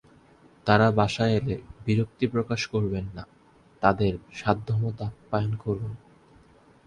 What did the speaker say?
তাঁরা বাসায় এলে বিরক্তি প্রকাশ করবেন না, তাঁদের সাধ্যমতো আপ্যায়ন করুন।